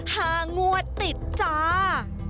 ห้างวดติดจ้า